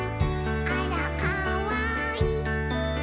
「あらかわいい！」